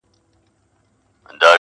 وېريږي نه خو انگازه يې بله~